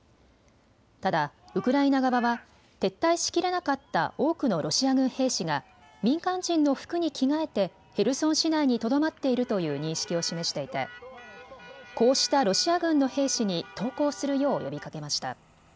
ただウクライナ側は撤退しきれなかった多くのロシア軍兵士が民間人の服に着替えてヘルソン市内にとどまっているという認識を示していてこうしたロシア軍の兵士に投降するよう呼びかけました。